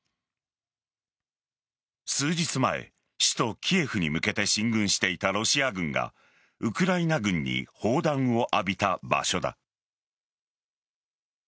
数日前、首都・キエフに向けて進軍していたロシア軍がウクライナ軍に砲弾を浴びた場所だ。